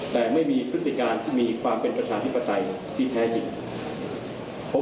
แต่ไม่มีพฤติการที่มีความเป็นประชาธิปไตยที่แท้จริง